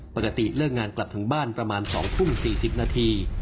ปกติเลิกงานกลับถึงบ้านประมาณ๒ทุ่ม๔๐นาที